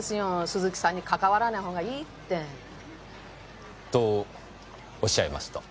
鈴木さんに関わらないほうがいいって。とおっしゃいますと？